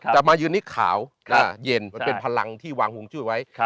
แต่มายืนนี้ขาวเย็นมันเป็นพลังที่วางห่วงจุ้ยไว้